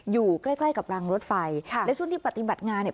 อยู่ใกล้ใกล้กับรางรถไฟค่ะและช่วงที่ปฏิบัติงานเนี่ย